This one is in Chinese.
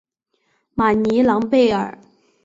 马尼朗贝尔。